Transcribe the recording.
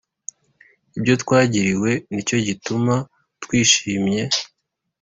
Ibyotwagiriwe ni cyo gituma twishimye